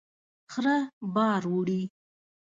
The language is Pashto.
خره بار وړي